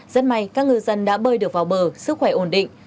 rất may các ngư dân đã bơi được vào bờ sức khỏe ổn định